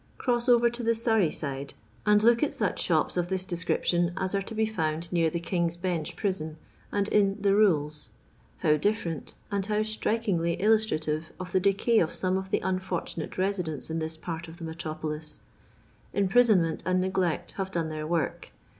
Cross oTor to the Surry side, and look at such shops of this description as are to be found near the King's Bench prison, and in ' the Kules.' How different, and how strikingly illustrative of the decay of some of the unfortunate residents in this part of the metropolis 1 Impri sonment and neglect have done their work.